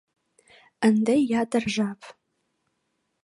— Ынде ятыр жап...